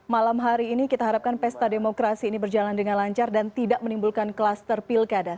malam hari ini kita harapkan pesta demokrasi ini berjalan dengan lancar dan tidak menimbulkan kluster pilkada